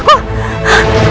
aku akan menang